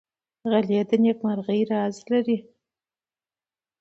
غلی، د نېکمرغۍ راز لري.